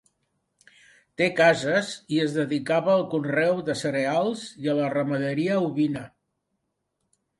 Té cases i es dedicava al conreu de cereals i a la ramaderia ovina.